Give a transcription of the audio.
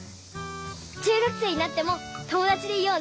中学生になっても友だちでいようね。